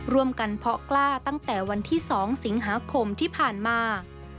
เพาะกล้าตั้งแต่วันที่๒สิงหาคมที่ผ่านมา